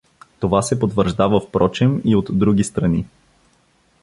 Това се подтвърждава, впрочем, и от други страни.